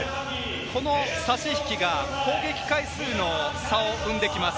この差し引きが攻撃回数の差を生んできます。